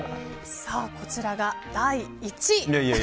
こちらが第１位。